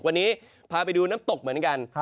วันนี้พาไปดูน้ำตกเหมือนกัน